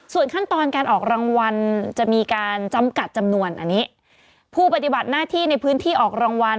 ส่วนขั้นตอนการออกรางวัลจะมีการจำกัดจำนวนอันนี้ผู้ปฏิบัติหน้าที่ในพื้นที่ออกรางวัล